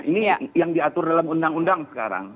ini yang diatur dalam undang undang sekarang